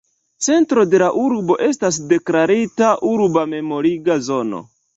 Centro de la urbo estas deklarita urba memoriga zono.